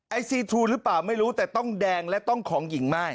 ซีทูหรือเปล่าไม่รู้แต่ต้องแดงและต้องของหญิงม่าย